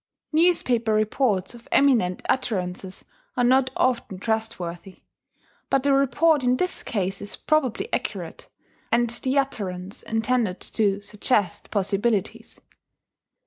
Newspaper reports of eminent utterances are not often trustworthy; but the report in this case is probably accurate, and the utterance intended to suggest possibilities.